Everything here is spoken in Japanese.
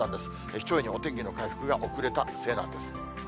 ひとえにお天気の回復が遅れたせいなんです。